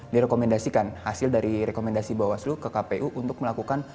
direkomendasikan hasil dari rekomendasi bawaslu ke kpu untuk melakukan